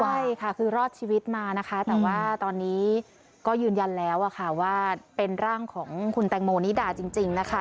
ใช่ค่ะคือรอดชีวิตมานะคะแต่ว่าตอนนี้ก็ยืนยันแล้วค่ะว่าเป็นร่างของคุณแตงโมนิดาจริงนะคะ